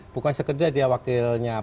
bukan sekedar dia wakilnya